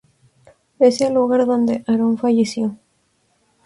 Es el lugar donde Aarón falleció.